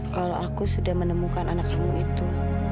kalau aku sudah menemukan anak kamu itu